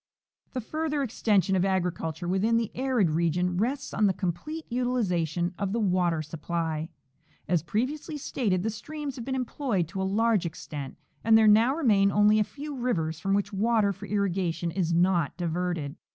The further extension of agriculture within the arid region rests on the complete utilization of the water supply. As previously stated, the streams have been employed to a large extent and there now remain only a few rivers from which water for irrigation is not diverted.